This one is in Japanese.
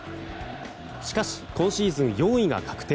しかし、今シーズン４位が確定。